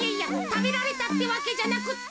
たべられたってわけじゃなくって。